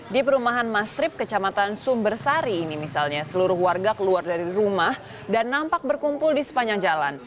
di perumahan mastrip kecamatan sumbersari ini misalnya seluruh warga keluar dari rumah dan nampak berkumpul di sepanjang jalan